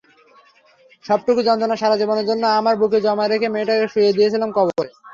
সবটুকু যন্ত্রণা সারা জীবনের জন্য আমার বুকে জমা রেখে মেয়েটাকে শুইয়ে দিয়েছিলাম কবরে।